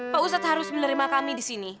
pak ustadz harus menerima kami di sini